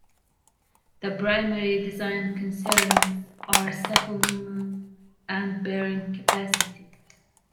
The primary design concerns are settlement and bearing capacity.